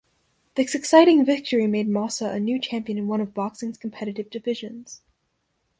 This exciting victory made Maussa a new champion in one of boxing's competitive divisions.